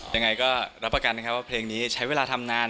ยังไงก็รับประกันนะครับว่าเพลงนี้ใช้เวลาทำนาน